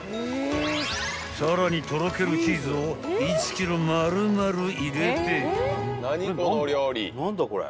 ［さらにとろけるチーズを１ｋｇ丸々入れて］